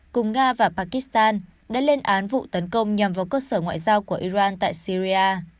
cùng nga và pakistan đã lên án vụ tấn công nhằm vào cơ sở ngoại giao của iran tại syria